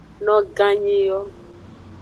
Noganyi yo.